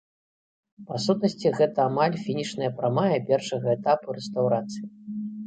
Па сутнасці, гэта амаль фінішная прамая першага этапу рэстаўрацыі.